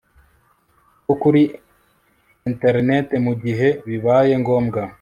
bwo kuri internet mu gihe bibaye ngombwa